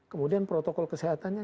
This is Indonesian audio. kemudian protokol kesehatannya